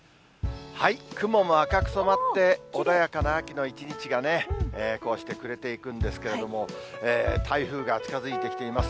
雲も赤く染まって、穏やかな秋の一日がこうして暮れていくんですけれども、台風が近づいてきています。